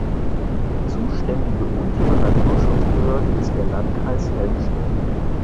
Zuständige untere Naturschutzbehörde ist der Landkreis Helmstedt.